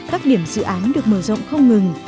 các điểm dự án được mở rộng không ngừng